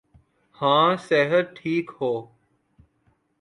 ہاں صحت ٹھیک ہو۔